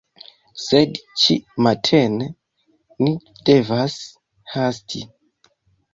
Sed, Ĉi matene ni devas hasti